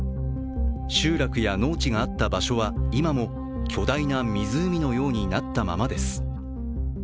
集落や農地があった場所は今も巨大な湖のようになったままです。